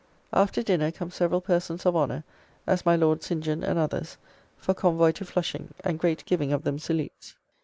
After dinner come several persons of honour, as my Lord St. John and others, for convoy to Flushing, and great giving of them salutes.